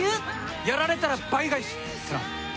やられたら倍返しってな。